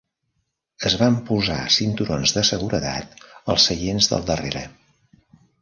Es van posar cinturons de seguretat als seients del darrere.